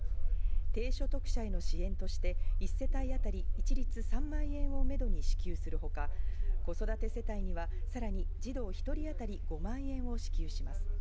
低所得者への支援として１世帯あたり、一律３万円をめどに支給するほか、子育て世帯にはさらに児童１人あたり５万円を支給します。